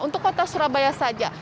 untuk kota surabaya saja